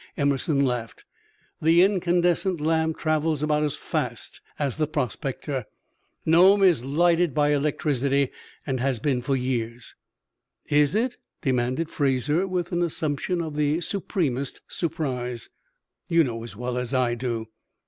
Emerson laughed. "The incandescent lamp travels about as fast as the prospector. Nome is lighted by electricity, and has been for years." "Is it?" demanded Fraser, with an assumption of the supremest surprise. "You know as well as I do."